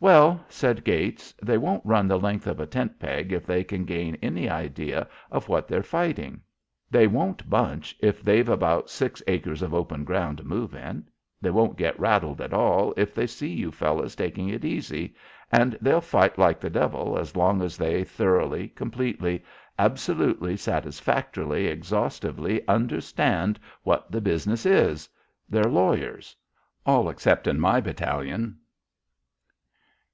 "Well," said Gates, "they won't run the length of a tent peg if they can gain any idea of what they're fighting; they won't bunch if they've about six acres of open ground to move in; they won't get rattled at all if they see you fellows taking it easy, and they'll fight like the devil as long as they thoroughly, completely, absolutely, satisfactorily, exhaustively understand what the business is. They're lawyers. All excepting my battalion."